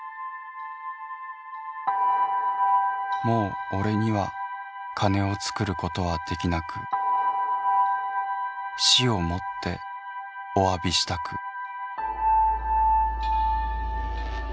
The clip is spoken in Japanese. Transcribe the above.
「もう俺には金を作ることはできなく死をもっておわびしたく」。